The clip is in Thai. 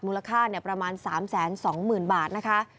มูลค่าประมาณ๓๒๐๐๐๐บาทนะคะ